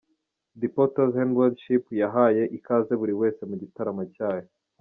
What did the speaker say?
The Potter's Hand Worship yahaye ikaze buri wese mu gitaramo cyayo.